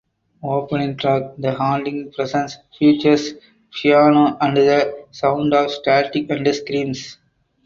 Opening track "The Haunting Presence" features piano and the sound of static and screams.